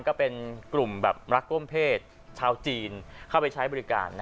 ก็เป็นกลุ่มแบบรักร่วมเพศชาวจีนเข้าไปใช้บริการ